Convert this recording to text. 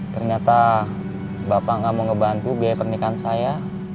ternyata bapak nggak mau ngebantu biaya pernikahan saya